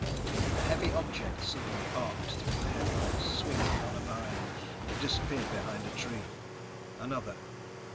A heavy object suddenly arced through the headlights, swinging on a vine. It disappeared behind a tree. Another.